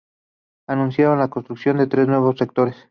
Anunciaron la construcción de tres nuevos sectores.